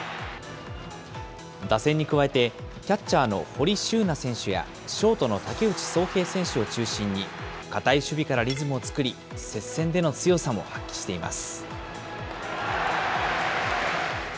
打線に加えて、キャッチャーの堀柊那選手やショートの竹内颯平選手を中心に、堅い守備からリズムを作り、接戦での強さも発揮しています。